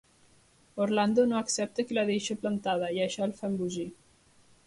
Orlando no accepta que la deixi plantada i això el fa embogir.